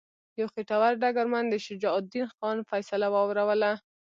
یو خیټور ډګرمن د شجاع الدین خان فیصله واوروله.